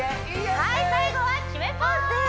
はい最後は決めポーズです